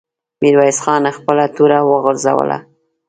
ميرويس خان خپله توره وغورځوله.